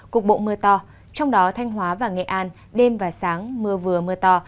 cục bộ mưa to trong đó thanh hóa và nghệ an đêm và sáng mưa vừa mưa to